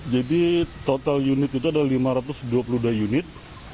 jadi total unit itu ada lima ratus dua puluh dua unit